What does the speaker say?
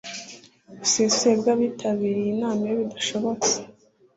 busesuye bw abitabiriye inama iyo bidashobotse